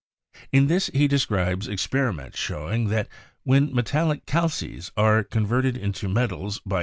In this he described epxeriments showing that when metallic "calces" are converted into metals by heat Fig.